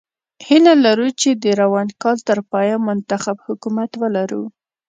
هیله لرو چې د روان کال تر پایه منتخب حکومت ولرو.